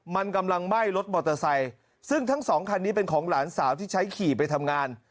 มันกำลังไหม้รถมอเตอร์ไซค์ซึ่งทั้งสองคันนี้เป็นของหลานสาวที่ใช้ขี่ไปทำงาน